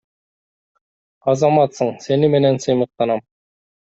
Азаматсың, сени менен сыймыктанам.